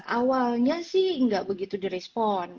awalnya sih nggak begitu di respon